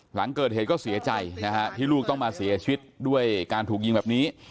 หลังเกิดเหตุก็เสียใจนะฮะที่ลูกต้องมาเสียชีวิตด้วยการถูกยิงแบบนี้